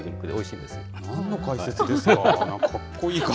なんの解説ですか？